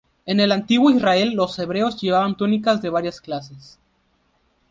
En el antiguo Israel los hebreos llevaban túnicas de varias clases.